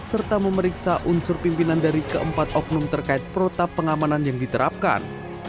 serta memeriksa unsur pimpinan dari keempat oknum terkait protap pengamanan yang diterapkan